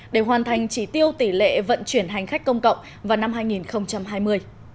để hoàn thành chỉ tiêu tỷ lệ vận chuyển hành khách công cộng vào năm hai nghìn hai mươi